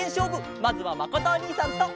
まずはまことおにいさんと！